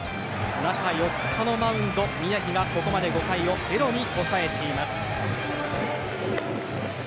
中４日のマウンド、宮城がここまで５回をゼロに抑えています。